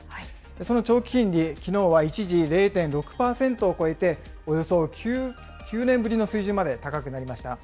その長期金利、きのうは一時０．６％を超えて、およそ９年ぶりの水準まで高くなりました。